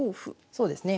そうですね